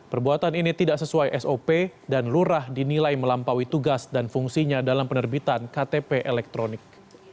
perbuatan ini tidak sesuai sop dan lurah dinilai melampaui tugas dan fungsinya dalam penerbitan ktp elektronik